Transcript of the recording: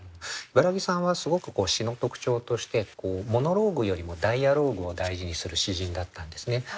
茨木さんはすごく詩の特徴としてモノローグよりもダイアローグを大事にする詩人だったんですね。